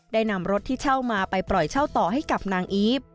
ได้นำรถที่เช่ามาไปปล่อยเช่าต่อให้กับนางอีฟ